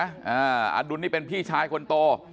อดุลนี่เป็นพี่ชายคนโต